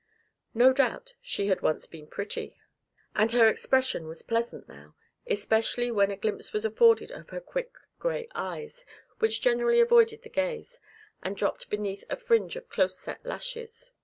No doubt she had once been pretty, and her expression was pleasant now, especially when a glimpse was afforded of her quick grey eyes, which generally avoided the gaze, and dropped beneath a fringe of close set lashes.